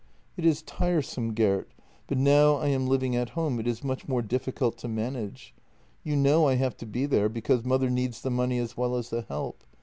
" It is tiresome, Gert, but now I am living at home it is much more difficult to manage; you know I have to be there because mother needs the money as well as the help.